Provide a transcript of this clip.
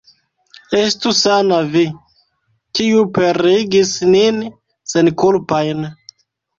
Estu sana vi, kiu pereigis nin senkulpajn!